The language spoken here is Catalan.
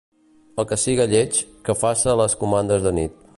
El que siga lleig, que faça les comandes de nit.